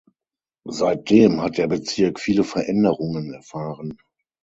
Seitdem hat der Bezirk viele Veränderungen erfahren.